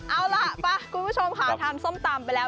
เอาล่ะไปคุณผู้ชมค่ะทานส้มตำไปแล้ว